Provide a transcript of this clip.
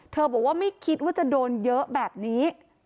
บอกว่าไม่คิดว่าจะโดนเยอะแบบนี้